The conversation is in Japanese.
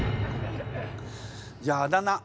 じゃああだ名。